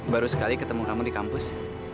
baru sekali ketemu kamu di kampus